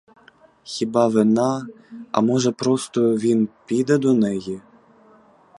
Хіба вина, а може, просто він піде до неї?